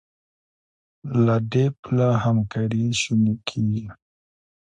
له دې پله همکاري شونې کېږي.